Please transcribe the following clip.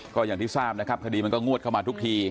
ก็อย่างที่ทราบนะครับคดีมันก็งวดเข้ามาทุกที